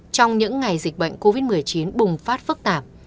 trong những ngày dịch bệnh covid một mươi chín bùng phát phức tạp